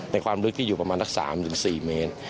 ความลึกที่อยู่ประมาณสัก๓๔เมตร